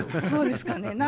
そうですかね？